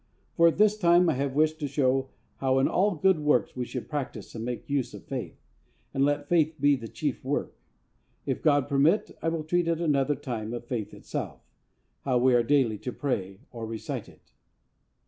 For at this time I have wished to show how in all good works we should practice and make use of faith, and let faith be the chief work. If God permit, I will treat at another time of the Faith itself how we are daily to pray or recite it.